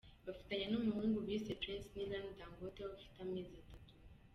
Bafitanye n’umuhungu bise Prince Nillan Dangote ufite amezi atanu.